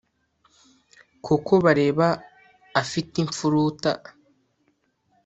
Kuko bareba afite imfuruta